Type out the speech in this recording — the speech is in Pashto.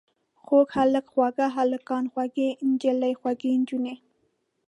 خوږ هلک، خواږه هلکان، خوږه نجلۍ، خوږې نجونې.